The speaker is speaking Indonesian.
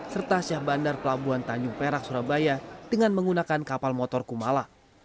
serta syah bandar pelabuhan tanjung perak surabaya dengan menggunakan kapal motor kumala